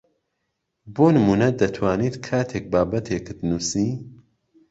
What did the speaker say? بۆ نموونە دەتوانیت کاتێک بابەتێکت نووسی